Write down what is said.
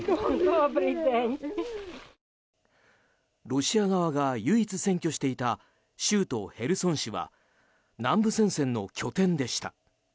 ロシア側が唯一占拠していた州都ヘルソン市は南部戦線の拠点でした。